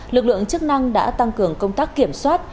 lực lượng chức năng đã tăng cường công tác kiểm soát